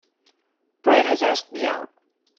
Brad has asked me out.